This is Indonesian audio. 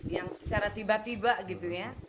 yang secara tiba tiba gitu ya